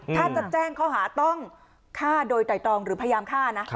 ถ้าจะแจ้งข้อหาต้องฆ่าโดยไตรตรองหรือพยายามฆ่านะ